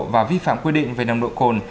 và vi phạm quy định về nồng độ cồn